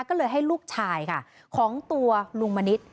ก็เลยให้ลูกชายค่ะของตัวลุงมณิษฐ์